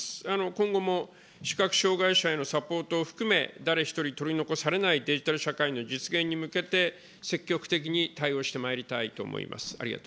今後も視覚障害者へのサポートを含め、誰一人取り残されないデジタル社会の実現に向けて、積極的に対応してまいりたいと思います。